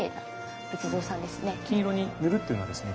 金色に塗るっていうのはですね